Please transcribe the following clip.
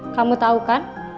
kamu tau kan